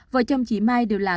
vợ chồng chị mai đều là